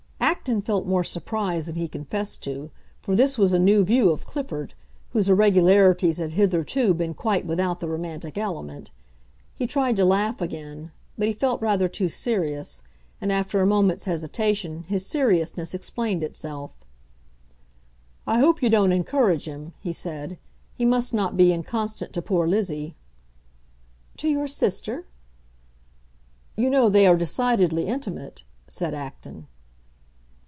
Acton felt more surprise than he confessed to, for this was a new view of Clifford, whose irregularities had hitherto been quite without the romantic element. He tried to laugh again, but he felt rather too serious, and after a moment's hesitation his seriousness explained itself. "I hope you don't encourage him," he said. "He must not be inconstant to poor Lizzie." "To your sister?" "You know they are decidedly intimate," said Acton.